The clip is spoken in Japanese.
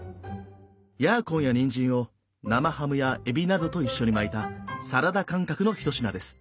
ヤーコンやにんじんを生ハムやエビなどと一緒に巻いたサラダ感覚の一品です。